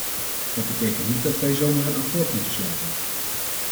Dat betekent niet dat wij zomaar een akkoord moeten sluiten.